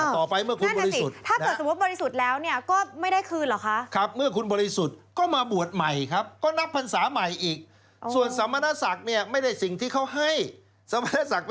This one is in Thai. ต่อไปเมื่อคุณบริสุทธิ์นะครับนะครับ